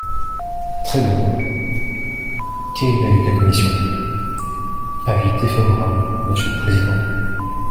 Très bien ! Quel est l’avis de la commission ? Avis défavorable, monsieur le président.